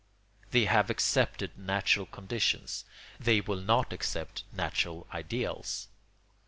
They have accepted natural conditions; they will not accept natural ideals.